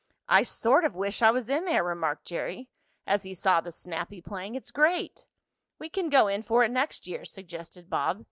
"I sort of wish I was in there," remarked Jerry, as he saw the snappy playing. "It's great." "We can go in for it next year," suggested Bob.